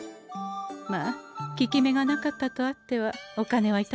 まあ効き目がなかったとあってはお金は頂けません。